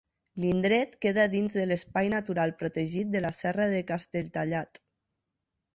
L'indret queda dins de l'espai natural protegit de la Serra de Castelltallat.